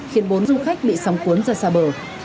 khiến bốn du khách bị sóng cuốn ra xa bờ